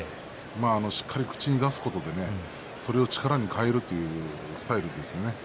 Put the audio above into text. しっかり口に出すことでそれを力に変えるというスタイルですよね。